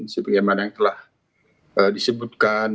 seperti yang mana yang telah disebutkan